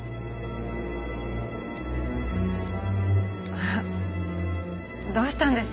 あっどうしたんです？